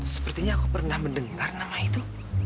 sepertinya aku pernah mendengar nama itu